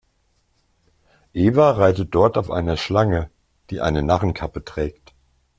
Eva reitet dort auf einer Schlange, die eine Narrenkappe trägt.